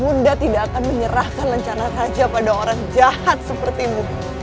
bunda tidak akan menyerahkan rencana raja pada orang jahat sepertimu